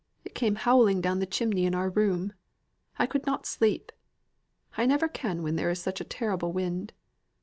It came howling down the chimney in our room! I could not sleep. I never can when there is such a terrible wind.